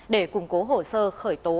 để củng cố hổ sơ khởi tố